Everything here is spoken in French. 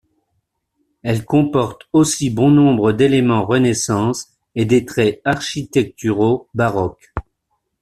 Elle comporte aussi bon nombre d'éléments Renaissance et des traits architecturaux baroques.